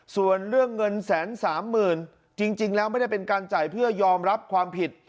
ส่วนเรื่องเงินแสนสามหมื่นจริงแล้วไม่ได้เป็นการจ่ายเพื่อยอมรับความผิด